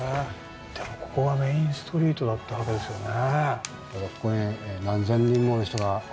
でもここがメインストリートだったわけですよね。